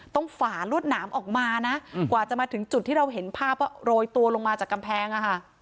ฝารวดหนามออกมานะกว่าจะมาถึงจุดที่เราเห็นภาพว่าโรยตัวลงมาจากกำแพงอะค่ะ